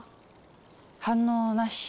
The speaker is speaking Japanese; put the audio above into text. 反応なし。